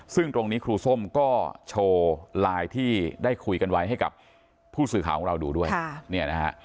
ซึ่งตรงนี้ครูส้มก็โชว์ไลน์ที่ได้คุยกันไว้ให้กับผู้สื่อข่าวของเราดูด้วยเนี่ยนะฮะ